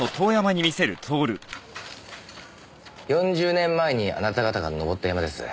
４０年前にあなた方が登った山です。